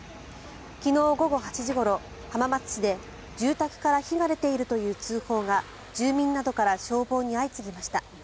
昨日午後８時ごろ、浜松市で住宅から火が出ているという通報が住民などから消防に相次ぎました。